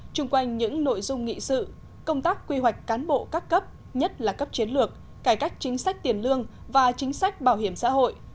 trung quanh những nội dung nghị sự công tác quy hoạch cán bộ các cấp nhất là cấp chiến lược cải cách chính sách tiền lương và chính sách bảo hiểm xã hội